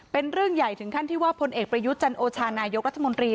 เป็นเรื่องใหญ่ถึงขั้นที่ว่าพลเอกประยุทธ์จันโอชานายกรัฐมนตรี